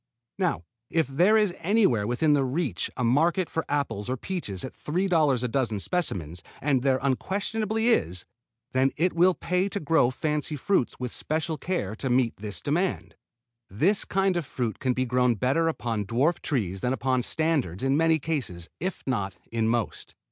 Now if there is anywhere within reach a market for apples or peaches at $3 a dozen specimens and there unquestionably is then it will pay to grow fancy fruits with special care to meet this demand. This kind of fruit can be grown better upon dwarf trees than upon standards in many cases, if not in most.